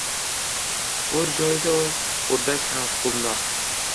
• O‘z joyida o‘rdak ham hukmdor.